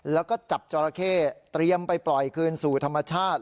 แล้วก็จับจอราเข้เตรียมไปปล่อยคืนสู่ธรรมชาติ